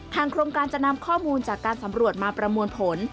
โครงการจะนำข้อมูลจากการสำรวจมาประมวลผล